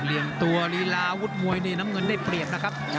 เหลี่ยมตัวลีลาวุฒิมวยนี่น้ำเงินได้เปรียบนะครับ